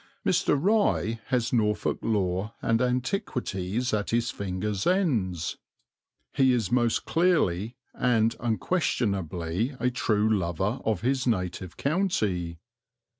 Mr. Rye has Norfolk lore and antiquities at his fingers' ends; he is most clearly and unquestionably a true lover of his native county.